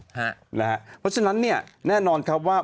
เพราะฉะนั้นแน่นอนครับว่า